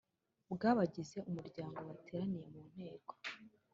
bw abagize Umuryango bateraniye mu Nteko